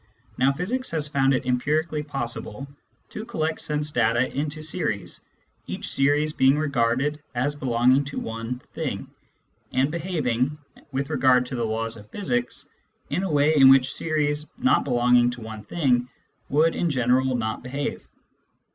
Now physics has found it empirically possible to collect sense data into series, each series being regarded as belonging to one "thing," and behaving, with regard to the laws of physics, in a way in which series not belonging to one thing would in general not behave.